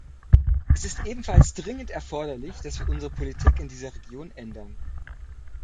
Es ist ebenfalls dringend erforderlich, dass wir unsere Politik in dieser Region ändern.